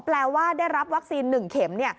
แปลว่าได้รับวัคซีน๑เข็ม